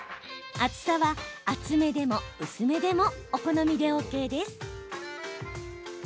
厚さは、厚めでも薄めでもお好みでＯＫです。